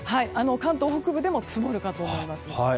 関東北部でも積もるかと思います。